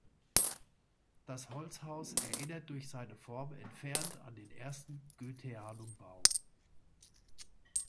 Das Holzhaus erinnert durch seine Form entfernt an den ersten Goetheanum-Bau.